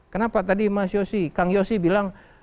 kenapa tadi mas yosi kang yosi bilang